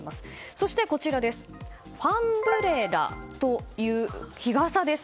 そしてファンブレラという日傘です。